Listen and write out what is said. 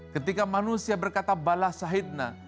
ketika manusia berkata balasahidna